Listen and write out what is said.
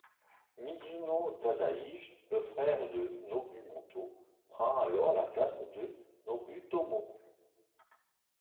Mizuno Tadashige, le frère de Nobumoto, prend alors la place de Nobutomo.